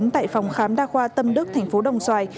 tại phòng khám đa khoa tâm đức thành phố đồng xoài